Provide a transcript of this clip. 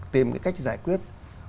tìm cái cách giải quyết